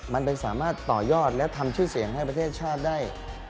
มันไปสามารถต่อยอดและทำชื่อเสียงให้ประเทศชาติได้